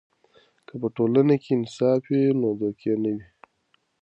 که په ټولنه کې انصاف وي، نو دوکې نه وي.